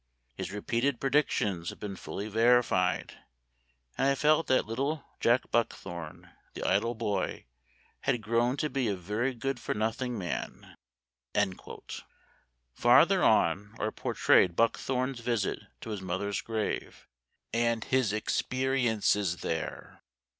His re peated predictions had been fully verified, and I felt that little Jack Buckthorne, the idle boy, had grown to be a very good for nothing man." Farther on are portrayed Buckthorne's visit to his mother's grave, and his experiences there.